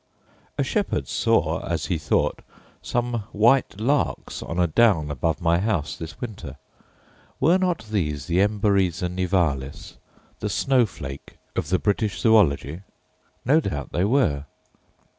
A shepherd saw, as he thought, some white larks on a down above my house this winter: were not these the emberiza nivalis, the snow flake of the Brit. Zool.? No doubt they were.